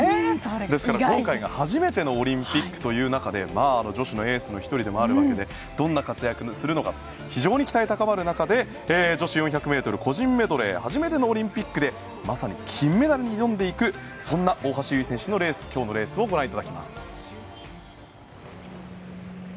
ですから今回が初めてのオリンピックという中女子のエースという中でどんな活躍をするのか非常に期待が高まる中女子４００ｍ個人メドレーで初めてのオリンピックで金メダルに挑んでいく大橋悠依選手の今日のレースをご覧いただきます。